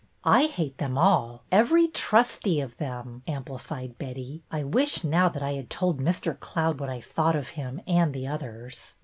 " I hate them all, every trustee of them !" amplified Betty. " I wish now that I had told Mr. Cloud what I thought of him and the others."